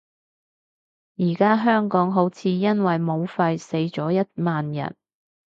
而家香港好似因為武肺死咗一萬人